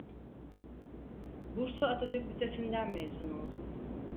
Bursa Atatürk Lisesi'nden mezun oldu.